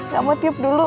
gak mau tiup dulu